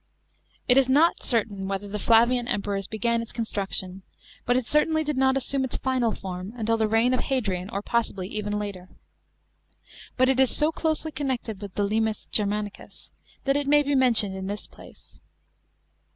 It is not certain whether the Flavian Emperors began its construction, but it certainly did not assume its final form until the reign of Hadrian or possibly even later. But it is so closely connected with the limes Germanicus, that it may be mentioned in this place.